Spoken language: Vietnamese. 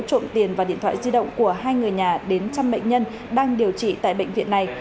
trộm tiền và điện thoại di động của hai người nhà đến trăm bệnh nhân đang điều trị tại bệnh viện này